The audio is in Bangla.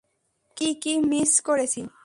তো, কী কী মিস করেছি?